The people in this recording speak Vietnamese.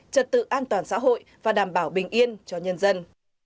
trật tự an toàn xã hội và đảm bảo bình yên cho nhân dân